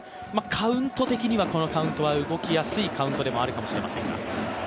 カウント的にはこのカウントは動きやすいカウントでもあるかもしれませんが。